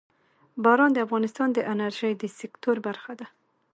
باران د افغانستان د انرژۍ د سکتور برخه ده.